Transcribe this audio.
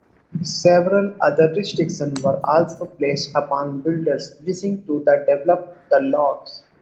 Several other restrictions were also placed upon builders wishing to develop the lots.